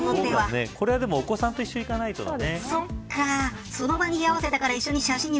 これは、お子さんと一緒に行かないとだね。